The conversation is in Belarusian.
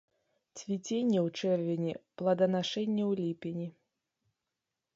Цвіценне ў чэрвені, плоданашэнне ў ліпені.